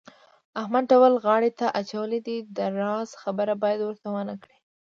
احمد ډول غاړې ته اچولی دی د راز خبره باید ورته ونه کړې.